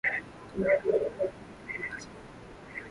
Tumia vijiko mbili vya chakula